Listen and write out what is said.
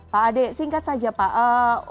pak ade singkat saja pak